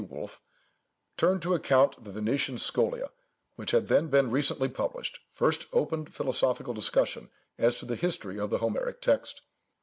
Wolf, turning to account the Venetian Scholia, which had then been recently published, first opened philosophical discussion as to the history of the Homeric text.